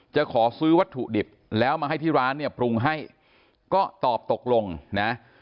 จะขอซื้อวัตถุดิบแล้วมาให้ที่ร้านเนี่ยปรุงให้ก็ตอบตกลงนะ